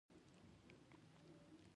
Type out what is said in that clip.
هغه راز ځای پر ځای شوی چې زموږ برخليک بدلوي.